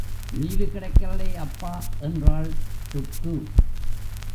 Leave கிடைக்கல்லே அப்பா என்றாள் ருக்கு.